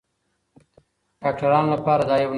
ډاکټرانو لپاره دا یو نوښت دی.